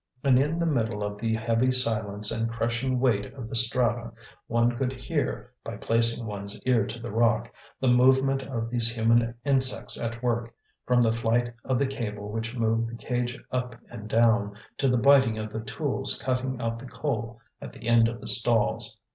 And in the middle of the heavy silence and crushing weight of the strata one could hear, by placing one's ear to the rock, the movement of these human insects at work, from the flight of the cable which moved the cage up and down, to the biting of the tools cutting out the coal at the end of the stalls.